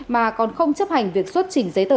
mà còn không chấp hành việc xuất trình giấy tờ